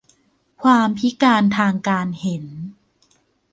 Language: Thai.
ความพิการทางการเห็น